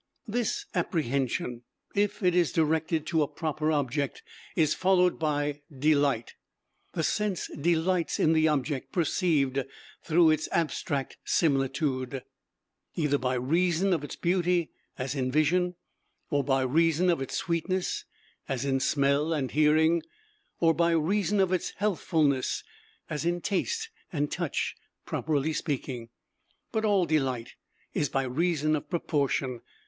This apprehension, if it is directed to a proper object, is followed by delight. The sense delights in the object perceived through its abstract similitude, either by reason of its beauty, as in vision, or by reason of its sweetness, as in smell and hearing, or by reason of its healthfulness, as in taste and touch, properly speaking. But all delight is by reason of proportion.